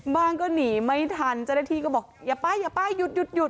บ้างก็หนีไม่ทันเจ้าหน้าที่ก็บอกอย่าป้ายอย่าป้ายหยุด